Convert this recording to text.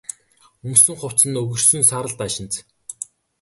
Өмссөн хувцас нь өгөршсөн саарал даашинз.